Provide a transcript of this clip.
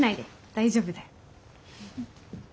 大丈夫だよ。